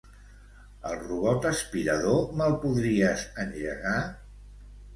El robot aspirador, me'l podries engegar?